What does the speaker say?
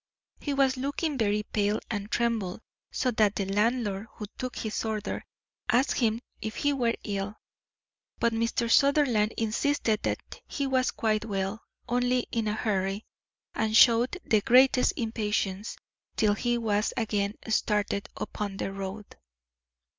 He was looking very pale, and trembled so that the landlord, who took his order, asked him if he were ill. But Mr. Sutherland insisted that he was quite well, only in a hurry, and showed the greatest impatience till he was again started upon the road.